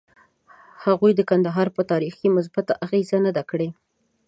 هغوی د کندهار په تاریخ کې مثبته اغیزه نه ده کړې.